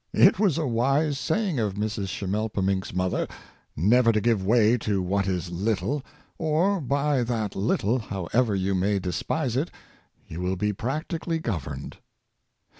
It was a wise saying of Mrs. Schimmelpenninck's mother, never to give way to what is little; or by that little, however you may despise it, you will be practically governed.